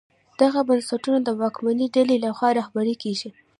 دغه بنسټونه د واکمنې ډلې لخوا رهبري کېږي.